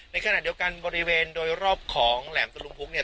ในขณะเดียวกันบริเวณโดยรอบของแหลมตะลุมพุกเนี่ย